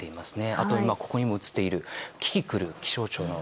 あとは、ここに映っているキキクル、気象庁の。